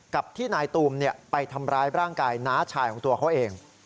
กับที่นายตูมไปทำร้ายร่างกายน้าชายของตัวเขาเอง